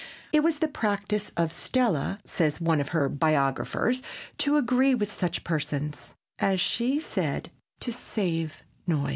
It was the practise of Stella, says one of her biographers, to agree with such persons, as she said, "to save noise."